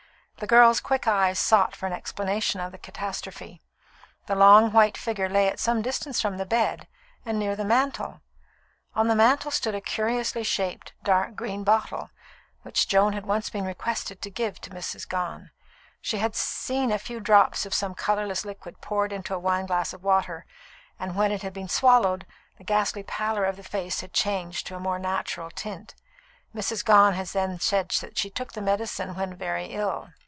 The girl's quick eyes sought for an explanation of the catastrophe. The long, white figure lay at some distance from the bed, and near the mantel. On the mantel stood a curiously shaped, dark green bottle, which Joan had once been requested to give to Mrs. Gone. She had seen a few drops of some colourless liquid poured into a wineglass of water; and when it had been swallowed, the ghastly pallor of the face had changed to a more natural tint. Mrs. Gone had then said that she took the medicine when very ill.